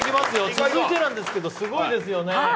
続いてなんですが、すごいですね。